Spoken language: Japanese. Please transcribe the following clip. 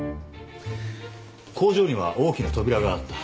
工場には大きな扉があった。